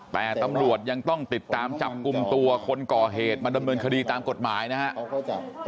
แต่ตำรวจยังต้องติดตามจับกลุ่มตัวคนก่อเหตุมาดำเนินคดีตามกฎหมายนะครับ